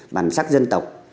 bản sắc dân tộc